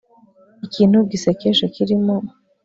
Ikintu gisekeje kirimo